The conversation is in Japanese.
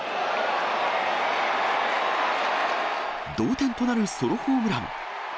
同点となるソロホームラン。